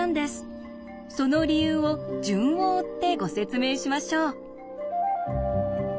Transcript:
その理由を順を追ってご説明しましょう。